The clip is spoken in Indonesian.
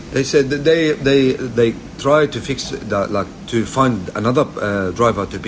mereka mencoba untuk mencari pengemudi lain untuk mencari makanan atau mencari pengemudi lain